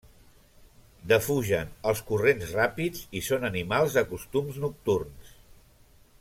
Defugen els corrents ràpids i són animals de costums nocturns.